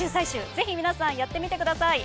ぜひ皆さんやってみてください。